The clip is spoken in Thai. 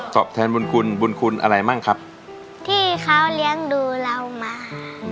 แทนบุญคุณบุญคุณอะไรมั่งครับที่เขาเลี้ยงดูเรามา